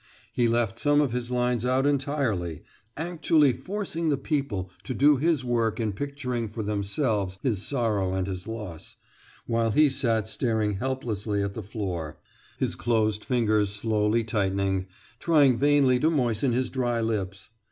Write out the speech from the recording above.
He left some of his lines out entirely actually forcing the people to do his work in picturing for themselves his sorrow and his loss while he sat staring helplessly at the floor, his closed fingers slowly tightening, trying vainly to moisten his dry lips.